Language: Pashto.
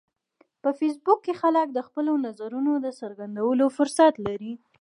په فېسبوک کې خلک د خپلو نظرونو د څرګندولو فرصت لري